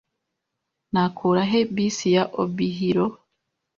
Nakura he bisi ya Obihiro?